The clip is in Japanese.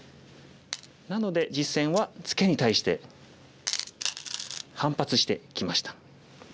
なので実戦はツケに対して反発してきました。